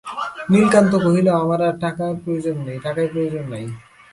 নীলকান্ত কহিল–আমার আর টাকায় প্রয়োজন নাই।